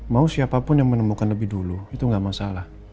mau siapapun yang menemukan lebih dulu itu nggak masalah